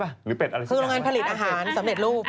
รังงานพลิกอาหารสำเร็จรูป